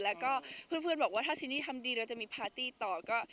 แล้วก็เพื่อนบอกว่าถ้าซินี่ทำดีเราจะมีพาร์ตี้ต่อก็